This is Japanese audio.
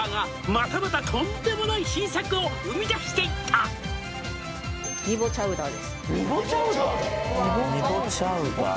「またまたとんでもない新作を生み出していた」・ニボチャウダー？